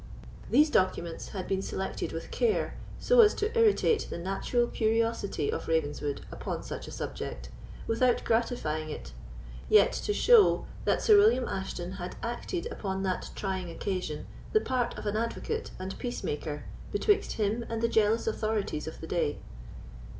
These documents had been selected with care, so as to irritate the natural curiosity of Ravenswood upon such a subject, without gratifying it, yet to show that Sir William Ashton had acted upon that trying occasion the part of an advocate and peacemaker betwixt him and the jealous authorities of the day.